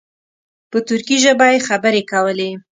په ترکي ژبه یې خبرې کولې.